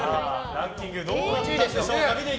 ランキングどうなったでしょうか。